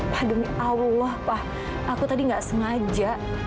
pada dunia allah pak aku tadi nggak sengaja